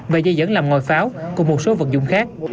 và dây dẫn làm ngòi pháo cùng một số vật dụng khác